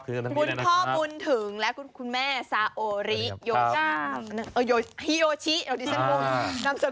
คุณพ่อบุญถึงและคุณแม่ซาโอริโยชาฮิโยชิอดิศนมงค์